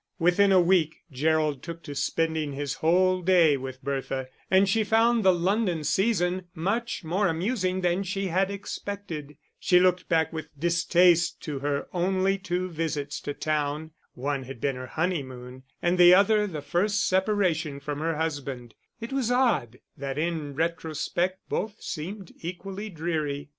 Within a week Gerald took to spending his whole day with Bertha, and she found the London season much more amusing than she had expected. She looked back with distaste to her only two visits to town. One had been her honeymoon, and the other the first separation from her husband: it was odd that in retrospect both seem equally dreary.